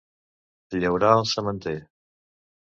Llaurar el sementer.